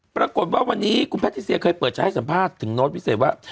ปรากฏว่าวันนี้คุณแพทิเซียเคยเปิดใจให้สัมภาษณ์ถึงโน้ตวิเศษว่า